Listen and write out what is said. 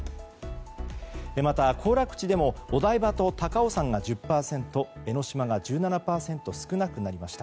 また、行楽地でもお台場と高尾山が１０％江の島が１７％少なくなりました。